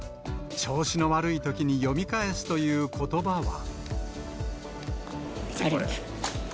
調子の悪いときに読み返すということばは。